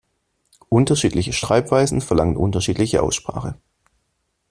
Unterschiedliche Schreibweisen verlangen unterschiedliche Aussprache.